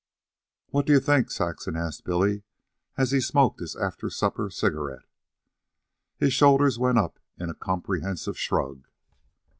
"What do you think?" Saxon asked Billy as he smoked his after supper cigarette. His shoulders went up in a comprehensive shrug.